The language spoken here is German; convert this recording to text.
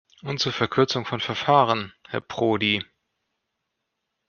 Und zur Verkürzung von Verfahren, Herr Prodi.